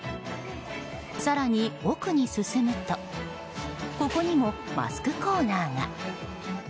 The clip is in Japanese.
更に、奥に進むとここにもマスクコーナーが。